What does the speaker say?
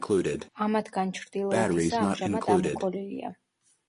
ამათგან ჩრდილოეთისა ამჟამად ამოქოლილია.